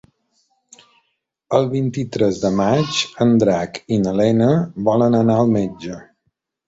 El vint-i-tres de maig en Drac i na Lena volen anar al metge.